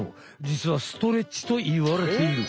じつはストレッチといわれている。